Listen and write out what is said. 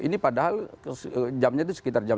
ini padahal jamnya itu sekitar jam dua